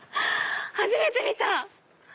初めて見た！